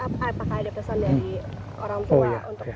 apakah ada kesan dari orang tua